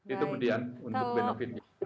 itu kemudian untuk benefitnya